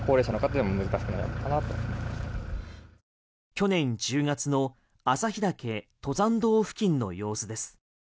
去年１０月の朝日岳登山道付近の様子です。